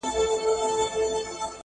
لا ایله وه رسېدلې تر بازاره،